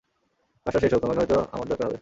কাজটা শেষ হোক, তোমাকে হয়ত আমার দরকার হবে।